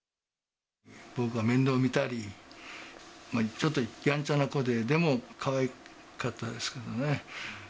僕が面倒を見たり、ちょっとやんちゃな子で、でも、かわいかったですからね。